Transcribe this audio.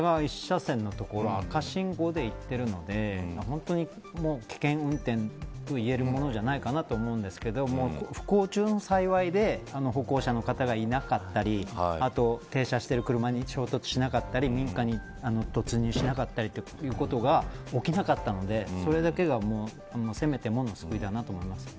そうですね、片側一車線のところを赤信号でいっているので本当に、危険運転といえるものじゃないかなと思うんですけど不幸中の幸いで歩行者の方がいなかったりあと停車してる車に衝突しなかったり民家に突入しなかったりということが起きなかったのでそれだけがせめてもの救いだなと思います。